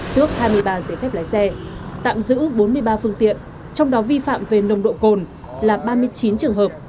tước hai mươi ba giấy phép lái xe tạm giữ bốn mươi ba phương tiện trong đó vi phạm về nồng độ cồn là ba mươi chín trường hợp